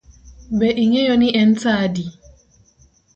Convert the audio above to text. Be ing'eyo ni en saa adi?